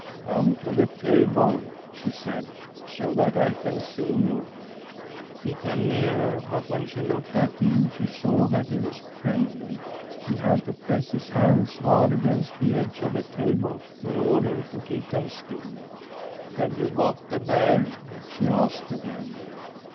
* Come to the table/ she said, * so that I can see you/ He came nearer, but when she looked at him she saw that he was trembling. He had to press his hands hard against the edge of the table in order to keep them still. * Have you got the bear ?' she asked again.